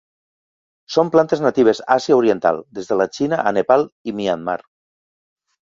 Són plantes natives Àsia oriental, des de la Xina a Nepal i Myanmar.